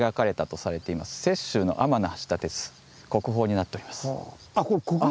国宝になっております。